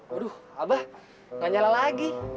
aduh abah nggak nyala lagi